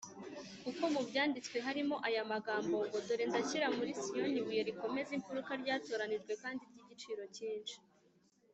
kuko mu byanditswe harimo aya magambo ngo, ‘dore ndashyira muri siyoni ibuye rikomeza imfuruka, ryatoranijwe kandi ry’igiciro cyinshi